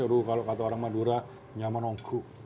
aduh kalau kata orang madura nyaman ongkuk